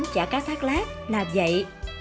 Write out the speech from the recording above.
chả cá thác lát là vậy